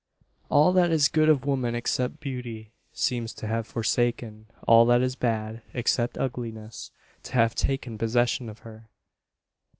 All that is good of woman, except beauty, seems to have forsaken all that is bad, except ugliness, to have taken possession of her!